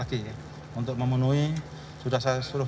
kemudian dikutukkan terjadi dari miliaran